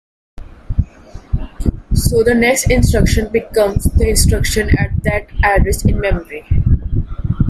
So, the next instruction becomes the instruction at that address in memory.